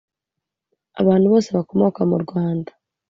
Abantu bose bakomoka mu Rwanda